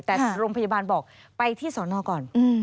แต่โรงพยาบาลบอกไปที่สอนอก่อน